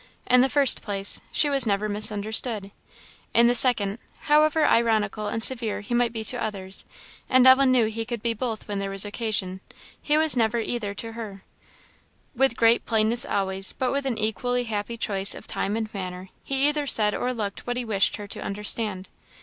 In the first place, she was never misunderstood; in the second, however ironical and severe he might be to others and Ellen knew he could be both when there was occasion he never was either to her. With great plainness always, but with an equally happy choice of time and manner, he either said or looked what he wished her to understand.